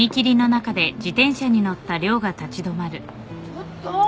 ちょっと！